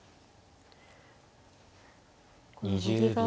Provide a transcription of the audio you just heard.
２０秒。